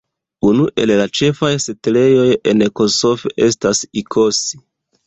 Unu el la ĉefaj setlejoj en Kosofe estas Ikosi.